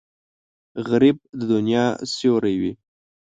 غریب د دنیا سیوری وي